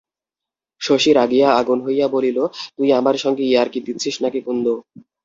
শশী রাগিয়া আগুন হইয়া বলিল, তুই আমার সঙ্গে ইয়ার্কি দিচ্ছিস নাকি কুন্দ?